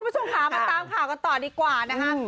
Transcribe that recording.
คุณผู้ชมค่ะมาตามข่าวกันต่อดีกว่านะคะ